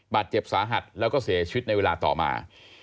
บาดเจ็บสาหัสแล้วก็เสียชีวิตในเวลาต่อมา